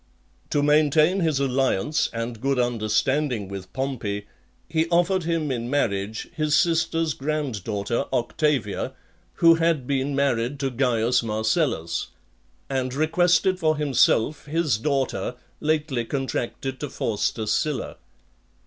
XXVII. To maintain his alliance and good understanding with Pompey, he offered him in marriage his sister's grand daughter Octavia, who had been married to Caius Marcellus; and requested for himself his daughter, lately contracted to Faustus Sylla.